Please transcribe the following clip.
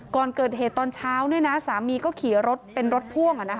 ก่อนเกิดเหตุตอนเช้าสามีก็ขี่รถเป็นรถพ่วง